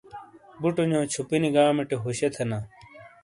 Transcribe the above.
بوٹونو چھوپینی گامٹے ہوشے تھینا۔